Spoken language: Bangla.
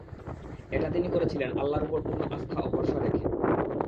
এটা তিনি করেছিলেন আল্লাহর উপর পূর্ণ আস্থা ও ভরসা রেখে।